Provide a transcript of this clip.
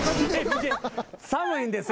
寒いんです。